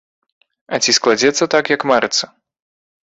А ці складзецца так, як марыцца?